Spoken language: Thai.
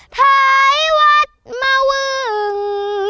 ท้ายวัดมะเวิง